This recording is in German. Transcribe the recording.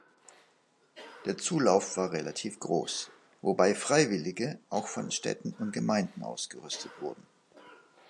Der Zulauf war relativ groß, wobei Freiwillige auch von Städten und Gemeinden ausgerüstet wurden.